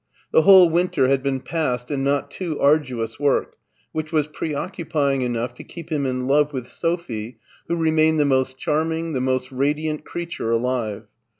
The whole winter had been passed in not too arduous work, which was preoccupying enough to keep him in love with Sophie, who remained the most charming, the most radiant creature alive.